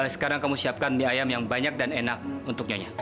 sekarang kamu siapkan mie ayam yang banyak dan enak untuk nyonya